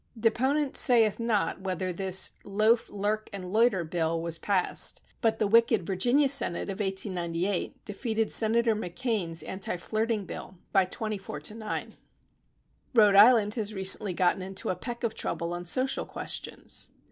Deponent sayeth not whether this loaf, lurk and loiter " bill was passed, but the wicked Virginia Senate of 1898 defeated Senator McCane's anti flirting bill by twenty four to nine. Rhode Island has recently gotten into a peck of trouble on social questions.